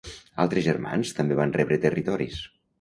Altres germans també van rebre territoris.